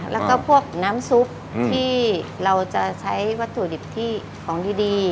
แล้วก็พวกน้ำซุปที่เราจะใช้วัตถุดิบที่ของดี